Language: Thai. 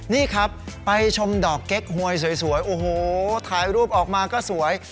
นี่ครับไปชมดอกเก๊กหวยสวยโอ้โหถ่ายรูปออกมาก็สวย